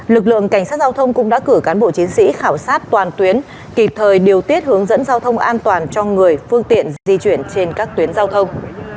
lực lượng cảnh sát giao thông cũng đã cử cán bộ chiến sĩ khảo sát toàn tuyến kịp thời điều tiết hướng dẫn giao thông an toàn cho người phương tiện di chuyển trên các tuyến giao thông